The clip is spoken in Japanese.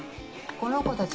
この子たち